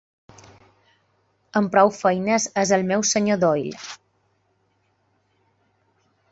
Amb prou feines és el meu senyor Doyle.